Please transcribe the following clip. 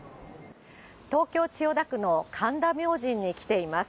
東京・千代田区の神田明神に来ています。